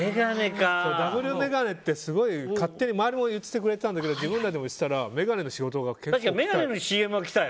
ダブル眼鏡って、勝手に周りも言ってくれてたんだけど自分たちでも言ってたら眼鏡の仕事は結構来た。